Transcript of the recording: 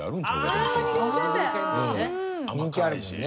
人気あるもんね。